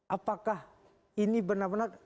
apakah ini benar benar